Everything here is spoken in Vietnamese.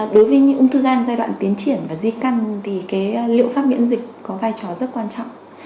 đối với những ung thư gan giai đoạn tiến triển và di căn thì liệu pháp miễn dịch có vai trò rất quan trọng